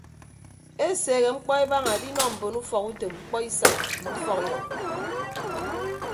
Eseehe mkpọ ebaña edinọ mbon ufọkutom mkpọisañ mme ufọkidʌñ.